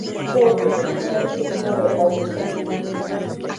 Pero su cultivo se extendía a los valles incas.